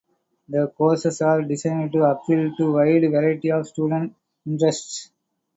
The courses are designed to appeal to a wide variety of student interests.